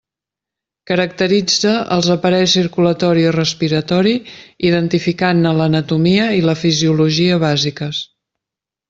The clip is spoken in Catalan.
Caracteritza els aparells circulatori i respiratori identificant-ne l'anatomia i la fisiologia bàsiques.